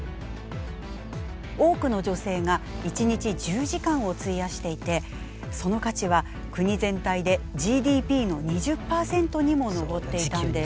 多くの女性が一日１０時間を費やしていてその価値は国全体でＧＤＰの２０％にも上っていたんです。